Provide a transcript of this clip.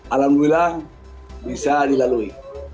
alhamdulillah bisa dilalui